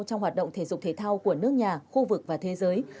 trong hoạt động thể dục thể thao của nước nhà khu vực và thế giới